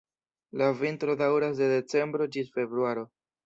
La vintro daŭras de decembro ĝis februaro.